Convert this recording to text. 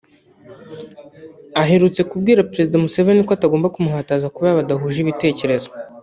ahretutse kubwira Perezida Museveni ko atagomba kumuhutaza kubera badahuje ibitekerezo